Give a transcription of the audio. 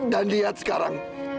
dan lihat sekarang